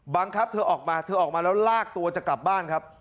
บังคับเธอออกมาเธอออกมาแล้วลากตัวจะกลับบ้านครับ